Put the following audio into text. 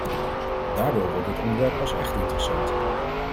Daardoor wordt dit onderwerp pas echt interessant.